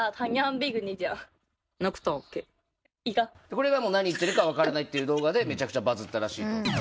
これがもう何言ってるか分からないっていう動画でめちゃくちゃバズったらしいと。